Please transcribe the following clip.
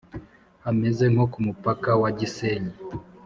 Hameze nko ku mupaka wa Gisenyi